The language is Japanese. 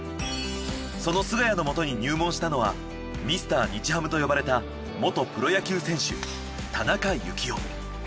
その菅谷のもとに入門したのはミスター日ハムと呼ばれた元プロ野球選手田中幸雄。